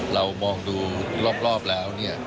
เรามองดูรอบแล้วเนี่ย